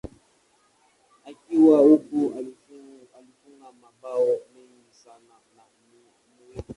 Akiwa huko alifunga mabao mengi sana na muhimu.